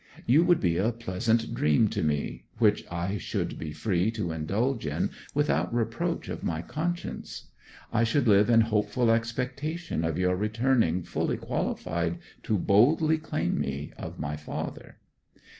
You would be a pleasant dream to me, which I should be free to indulge in without reproach of my conscience; I should live in hopeful expectation of your returning fully qualified to boldly claim me of my father.